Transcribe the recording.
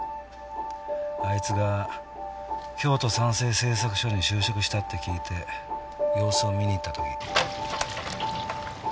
あいつが京都サンセイ製作所に就職したって聞いて様子を見に行った時に。